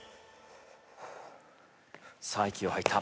さあ息を吐いた。